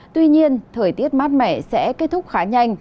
tuy nhiên thời tiết mát mẻ sẽ kết thúc khá nhanh